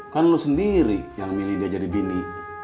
kan lo sendiri yang milih dia jadi bini